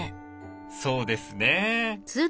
そうですね。